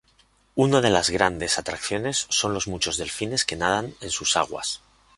Una de las grandes atracciones son los muchos delfines que nadan en sus aguas.